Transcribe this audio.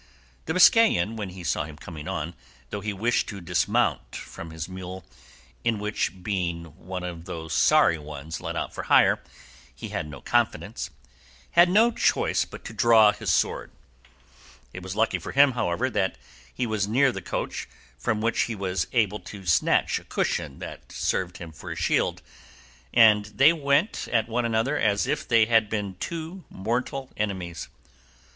The Biscayan, when he saw him coming on, though he wished to dismount from his mule, in which, being one of those sorry ones let out for hire, he had no confidence, had no choice but to draw his sword; it was lucky for him, however, that he was near the coach, from which he was able to snatch a cushion that served him for a shield; and they went at one another as if they had been two mortal enemies.